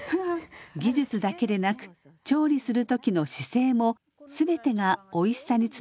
技術だけでなく調理する時の姿勢も全てがおいしさにつながると教えます。